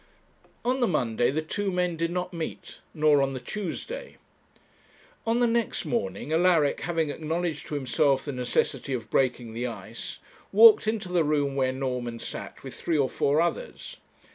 On the Monday the two men did not meet, nor on the Tuesday. On the next morning, Alaric, having acknowledged to himself the necessity of breaking the ice, walked into the room where Norman sat with three or four others.